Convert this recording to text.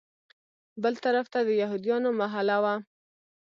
بل طرف ته د یهودیانو محله وه.